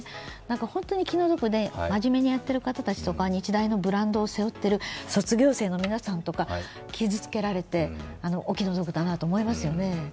本当に気の毒で真面目にやっている方たちとか日大のブランドを背負っている卒業生の皆さんとか傷つけられて、お気の毒だなと思いますよね。